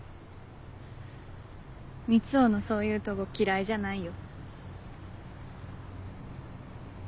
三生のそういうとご嫌いじゃないよ。